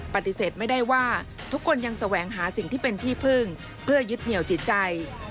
ปฏิเสธไม่ได้ว่าทุกคนยังแสวงหาสิ่งที่เป็นที่พึ่งเพื่อยึดเหนียวจิตใจ